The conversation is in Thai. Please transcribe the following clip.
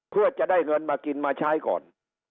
เพื่อจะได้เงินมากินมาใช้ก่อน